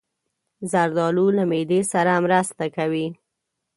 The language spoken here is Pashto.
زردالو له معدې سره مرسته کوي.